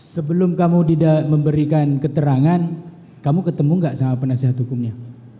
sebelum kamu tidak memberikan keterangan kamu ketemu nggak sama penasihat hukumnya